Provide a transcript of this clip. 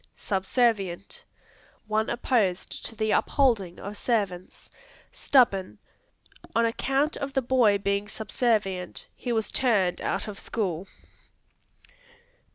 Subservient One opposed to the upholding of servants. Stubborn; "On account of the boy being subservient he was turned out of school."